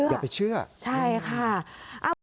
อย่าไปเชื่อใช่ค่ะ